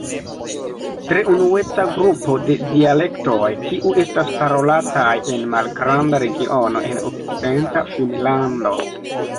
Tre unueca grupo da dialektoj, kiu estas parolataj en malgranda regiono en okcidenta Finnlando.